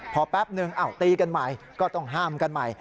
พอแป๊บนึงตีกันใหม่ก็ต้องห้ามกันใหม่